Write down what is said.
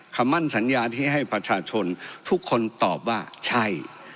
คำมั่นสัญญาที่ให้ประชาชนทุกคนตอบว่าใช่